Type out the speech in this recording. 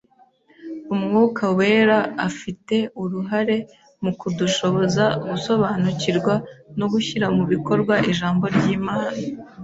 Umwuka Wera afite uruhare mu kudushoboza gusobanukirwa no gushyira mu bikorwa Ijambo ry'Imana;